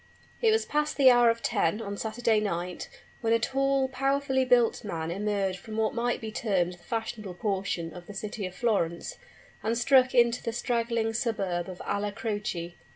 It was past the hour of ten on Saturday night, when a tall, powerfully built man emerged from what might be termed the fashionable portion of the city of Florence, and struck into the straggling suburb of Alla Croce.